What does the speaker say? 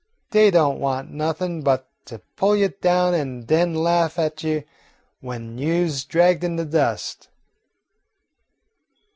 Dey don't want nothin' but to pull you down an' den laugh at you w'en you 's dragged in de dust."